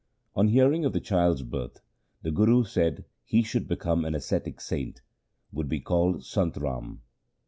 On hearing of the child's birth the Guru said he should become an ascetic saint, who would be called Sant Ram.